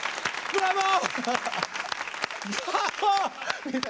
ブラボー！